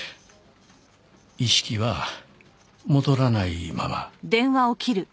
意識は戻らないまま。